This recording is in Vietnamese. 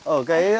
ở cái dưới cùng